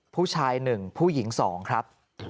ผู้ชาย๑ผู้หญิง๒ครับ